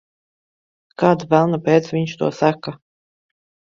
Kāda velna pēc viņš to saka?